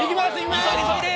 急いで急いで！